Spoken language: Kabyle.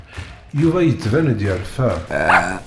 Yuba yettban-d yerfa.